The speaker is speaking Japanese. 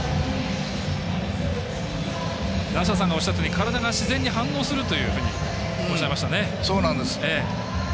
梨田さんがおっしゃったように体が自然に反応するとおっしゃいましたね。